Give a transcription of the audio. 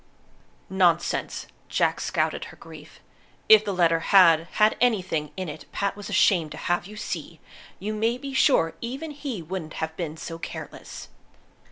"Nonsense!" Jack scouted her grief. "If the letter had had anything in it Pat was ashamed to have you see, you may be sure even he wouldn't have been so careless."